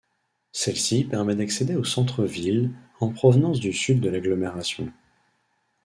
Celle-ci permet d'accéder au centre-ville en provenance du sud de l'agglomération.